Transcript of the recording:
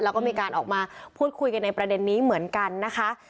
แล้วก็มีการออกมาพูดคุยกันในประเด็นนี้เหมือนกันนะคะ